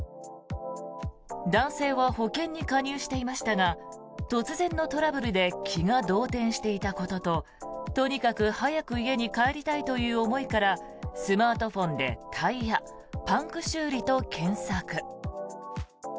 男性は保険に加入していましたが突然のトラブルで気が動転していたことととにかく早く家に帰りたいという思いからスマートフォンで「タイヤパンク修理」と検索。